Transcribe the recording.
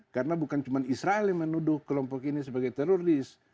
tidak hanya israel yang menuduh kelompok ini sebagai teroris